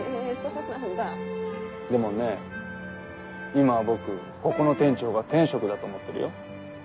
今は僕ここの店長が天職だと思ってるよ。